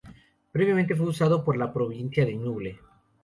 Previamente fue usado por la Provincia de Ñuble.